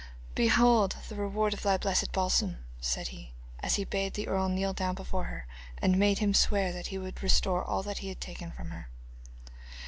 'Behold the reward of thy blessed balsam,' said he, as he bade the earl kneel down before her, and made him swear that he would restore all that he had taken from her.